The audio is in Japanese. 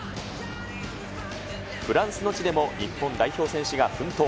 フランスの地でも日本代表選手が奮闘。